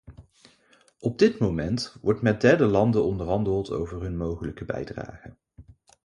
Op dit moment wordt met derde landen onderhandeld over hun mogelijke bijdrage.